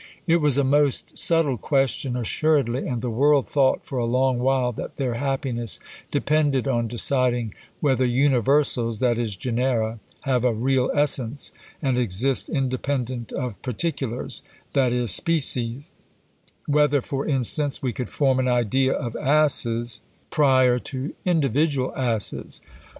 It was a most subtle question assuredly, and the world thought for a long while that their happiness depended on deciding, whether universals, that is genera, have a real essence, and exist independent of particulars, that is species: whether, for instance, we could form an idea of asses, prior to individual asses?